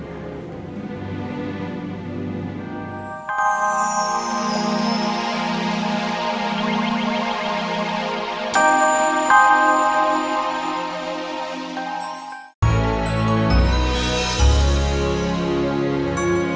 kamu seharusnya telah beritahu